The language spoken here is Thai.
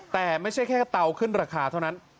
แต่ไม่ใช่แค่เตาขึ้นราคาเท่านั้น